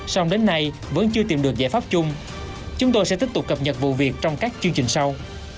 song đến nay vẫn chưa tìm được giải pháp chung chúng tôi sẽ tiếp tục cập nhật vụ việc trong các chương trình sau